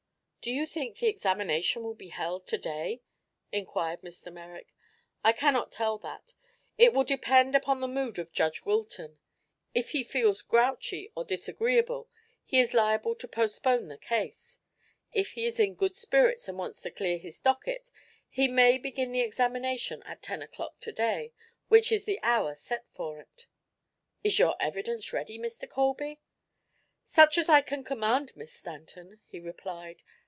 "Do you think the examination will be held to day?" inquired Mr. Merrick. "I cannot tell that. It will depend upon the mood of Judge Wilton. If he feels grouchy or disagreeable, he is liable to postpone the case. If he is in good spirits and wants to clear his docket he may begin the examination at ten o'clock, to day, which is the hour set for it." "Is your evidence ready, Mr. Colby?" "Such as I can command, Miss Stanton," he replied.